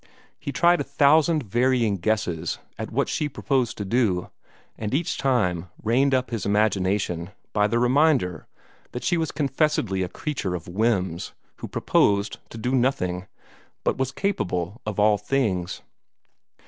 He tried a thousand varying guesses at what she proposed to do, and each time reined up his imagination by the reminder that she was confessedly a creature of whims, who proposed to do nothing, but was capable of all things.